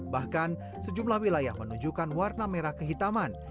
bahkan sejumlah wilayah menunjukkan warna merah kehitaman